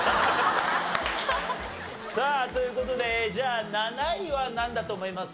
さあという事でじゃあ７位はなんだと思います？